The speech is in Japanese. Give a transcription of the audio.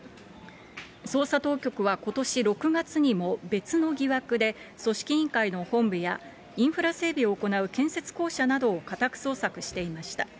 捜査当局はことし６月にも、別の疑惑で組織委員会の本部やインフラ整備を行う建設公社などを家宅捜索していました。